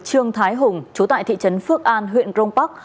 trương thái hùng chú tại thị trấn phước an huyện crong park